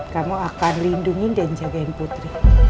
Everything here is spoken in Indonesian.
kamu akan lindungi dan jagain putri